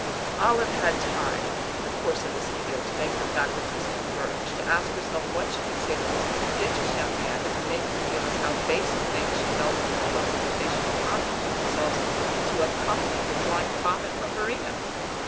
Olive had time, in the course of this appeal, to make her faculties converge, to ask herself what she could say to this prodigious young man that would make him feel as how base a thing she held his proposal that they should constitute themselves into a company for drawing profit from Verena.